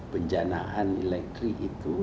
penjanaan elektrik itu